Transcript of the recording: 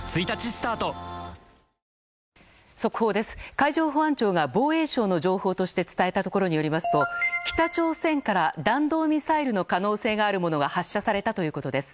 海上保安庁が防衛省の情報として伝えたところによりますと北朝鮮から弾道ミサイルの可能性があるものが発射されたということです。